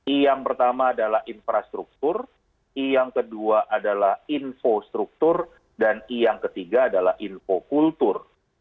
i yang pertama adalah infrastruktur i yang kedua adalah infrastruktur dan i yang ketiga adalah infokultur